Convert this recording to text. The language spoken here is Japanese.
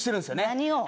何を？